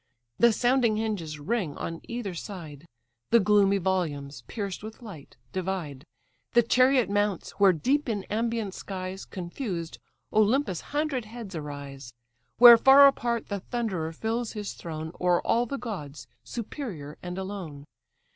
The sounding hinges ring, on either side The gloomy volumes, pierced with light, divide. The chariot mounts, where deep in ambient skies, Confused, Olympus' hundred heads arise; Where far apart the Thunderer fills his throne, O'er all the gods superior and alone.